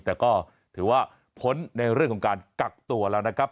แต่ก็ถือว่าพ้นในเรื่องของการกักตัวแล้วนะครับ